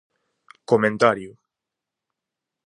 Comentario.